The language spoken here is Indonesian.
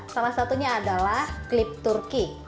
salah satunya adalah clip turkey